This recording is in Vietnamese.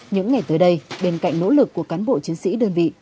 những ngày tới đây bên cạnh nỗ lực của cán bộ chiến sĩ đơn vị